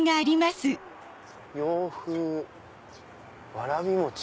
「洋風わらびもち」。